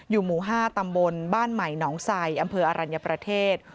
หมู่๕ตำบลบ้านใหม่หนองไซอำเภออรัญญประเทศ